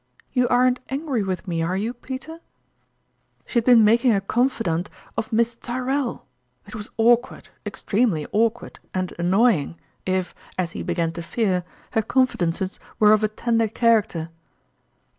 ... You aren't angry with me, are you, Peter ?" She had been making a confidante of Miss JJeriobic ^Drawings. 99 Tyrrell ! It was awkward, extremely awkward and annoying, if, as he began to fear, her con fidences were of a tender character.